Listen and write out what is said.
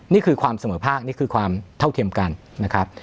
นี่คือความเสมอภาคนี่คือความเท่าเทียมกันนะครับ